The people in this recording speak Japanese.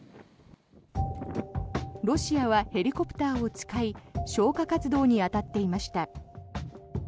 ロシアはヘリコプターを使い消火活動に当たっていました。